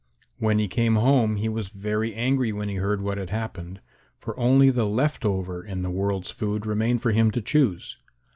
When he came home, he was very angry when he heard what had happened, for only the left over in the world's food remained for him to choose.